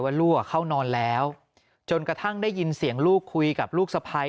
ว่าลูกเข้านอนแล้วจนกระทั่งได้ยินเสียงลูกคุยกับลูกสะพ้าย